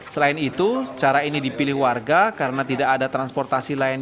selain itu cara ini dipilih warga karena tidak ada transportasi lain